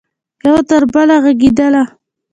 یو تربله ږغیدله